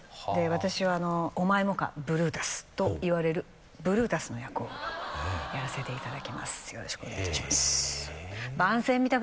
私は「お前もかブルータス」と言われるブルータスの役をやらせていただきますよろしくお願いいたします